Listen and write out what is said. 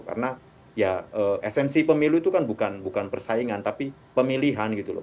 karena ya esensi pemilu itu kan bukan persaingan tapi pemilihan gitu loh